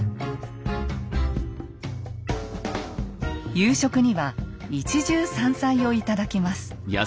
夕食には一汁三菜を頂きます。